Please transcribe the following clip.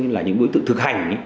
là những đối tượng thực hành